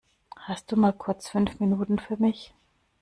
Hast du mal kurz fünf Minuten für mich?